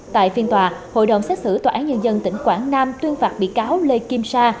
tại phiên tòa hội đồng xét xử tòa án nhân dân tỉnh quảng nam tuyên phạt bị cáo lê kim sa